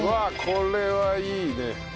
これはいいね。